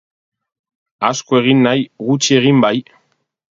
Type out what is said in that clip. Asko egin nahi, gutxi egin bai.